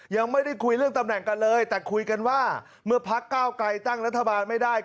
ยังไม่ได้คุยเรื่องตำแหน่งกันเลยแต่คุยกันว่าเมื่อพักเก้าไกลตั้งรัฐบาลไม่ได้